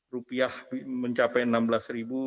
rupiah mencapai rp enam belas